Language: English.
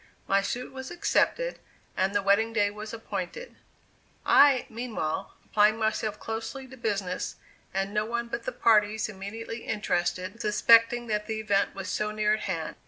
My suit was accepted, and the wedding day was appointed; I, meanwhile, applying myself closely to business, and no one but the parties immediately interested suspecting that the event was so near at hand.